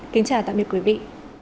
kính chào tạm biệt quý vị